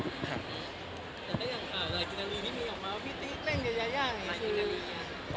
แต่ได้อย่างค่ะหลายทีละรีที่มีออกมาว่าพี่ติ๊กเล่นยาอย่างนี้คือ